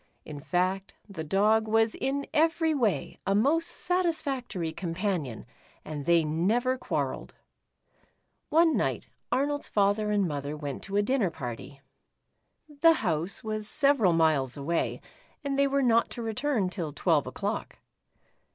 In fact, the Dog was in every way a most satisfactory companion, and they never quarrelled. One night, Arnold's father and mother went to a dinner party. The house was several miles away, and they were not to return till twelve o'clock.